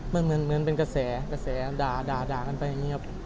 มันเหมือนเป็นกระแสกระแสด่ากันไปอย่างนี้ครับ